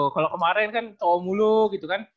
kalau kemarin kan cowok mulu gitu kan